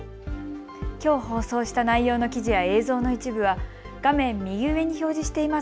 きょう放送した内容の記事や映像の一部は画面右上に表示しています